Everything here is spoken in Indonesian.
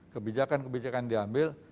kebijakan kebijakan yang diambil